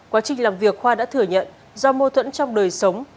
quá trình làm việc khoa đã thừa nhận do mô tuẫn trong đời sống